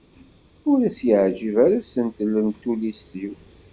Ur as-yeɛǧib ara usentel n tullist-iw.